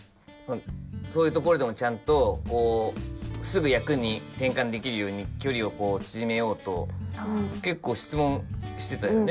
そういうところでもちゃんとすぐ役に転換できるように距離をこう縮めようと結構質問してたよね